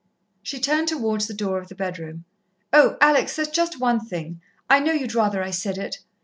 She turned towards the door of the bedroom. "Oh, Alex! there's just one thing I know you'd rather I said it.